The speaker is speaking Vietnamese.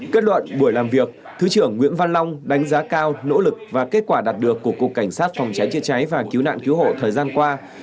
kết luận buổi làm việc thứ trưởng nguyễn văn long đánh giá cao nỗ lực và kết quả đạt được của cục cảnh sát phòng cháy chữa cháy và cứu nạn cứu hộ thời gian qua